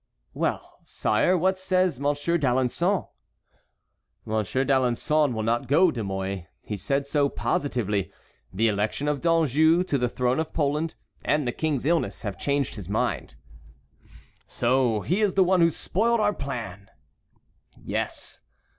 "Well, sire, what says Monsieur d'Alençon?" "Monsieur d'Alençon will not go, De Mouy. He said so positively. The election of D'Anjou to the throne of Poland and the king's illness have changed his mind." "So he is the one who spoiled our plan?" "Yes."